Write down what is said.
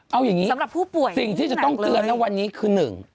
เอาอย่างนี้สำหรับผู้ป่วยสิ่งที่จะต้องเตือนนะวันนี้คือหนึ่ง